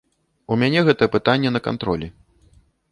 У мяне гэтае пытанне на кантролі.